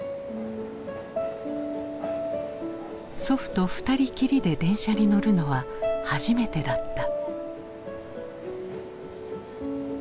祖父と２人きりで電車に乗るのは初めてだった。